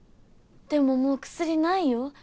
でももう薬ないよ。